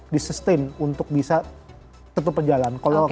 di sustain untuk bisa tetap berjalan